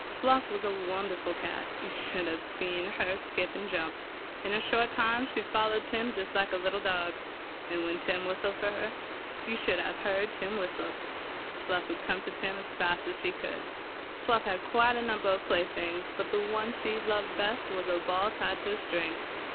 Fluff was a wonderful cat. You should have seen her skip and jump. In a short time she followed Tim just like a little dog. And when Tim whistled for her (you should have heard Tim whistle). Fluff would come to Tim as fast as she could. Fluff had quite a number of playthings, but the one she loved best was a ball tied to a string.